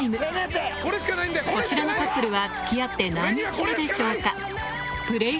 こちらのカップルは付き合って何日目でしょうか？